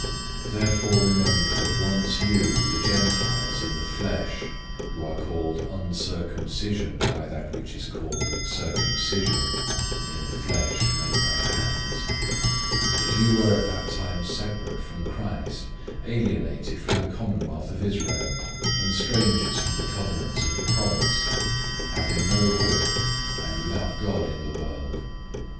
002:011 Therefore remember that once you, the Gentiles in the flesh, who are called "uncircumcision" by that which is called "circumcision," (in the flesh, made by hands); 002:012 that you were at that time separate from Christ, alienated from the commonwealth of Israel, and strangers from the covenants of the promise, having no hope and without God in the world.